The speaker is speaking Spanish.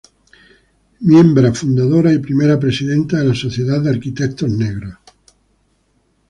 Miembro fundadora y primera presidenta de la Sociedad de Arquitectos Negros.